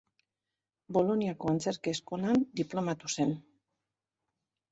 Boloniako Antzerki Eskolan diplomatu zen.